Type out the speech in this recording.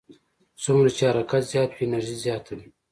څومره چې حرکت زیات وي انرژي زیاته وي.